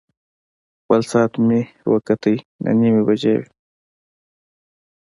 خپل ساعت مې وکتل، نهه نیمې بجې وې.